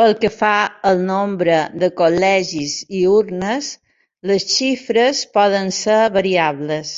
Pel que fa al nombre de col·legis i urnes, les xifres poden ser variables.